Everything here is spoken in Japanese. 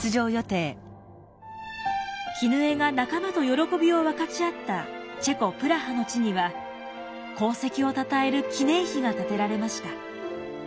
絹枝が仲間と喜びを分かち合ったチェコ・プラハの地には功績をたたえる記念碑が建てられました。